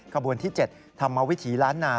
ขบวนที่๗ธรรมวิถีล้านนา